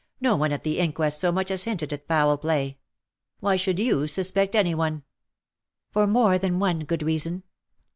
'' No one at the inquest so much as hinted at foul play. Why should you suspect any one ?"'' For more than one good reason.